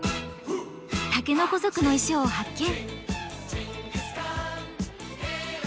竹の子族の衣装を発見！